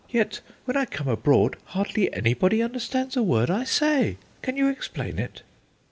Yet, when I come abroad hardly anybody understands a word I say. Can you explain it?"